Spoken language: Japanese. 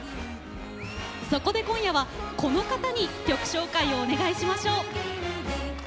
そこで今夜はこの方に曲紹介をお願いしましょう。